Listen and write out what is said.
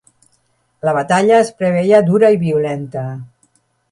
La batalla es preveia dura i violenta.